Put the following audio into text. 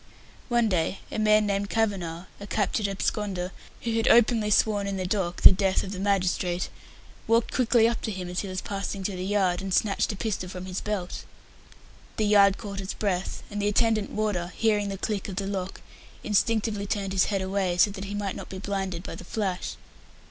One day a man named Kavanagh, a captured absconder, who had openly sworn in the dock the death of the magistrate, walked quickly up to him as he was passing through the yard, and snatched a pistol from his belt. The yard caught its breath, and the attendant warder, hearing the click of the lock, instinctively turned his head away, so that he might not be blinded by the flash.